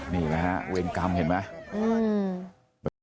นี่นะฮะเวรกรรมเห็นไหม